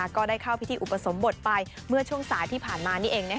ก็ได้เข้าพิธีอุปสมบทไปเมื่อช่วงสายที่ผ่านมานี่เอง